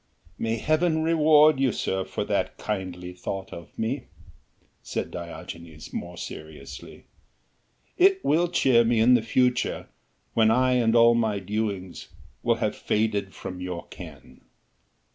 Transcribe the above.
"May Heaven reward you, sir, for that kindly thought of me," said Diogenes more seriously, "it will cheer me in the future, when I and all my doings will have faded from your ken."